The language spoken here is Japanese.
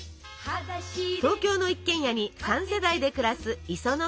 東京の一軒家に３世代で暮らす磯野家。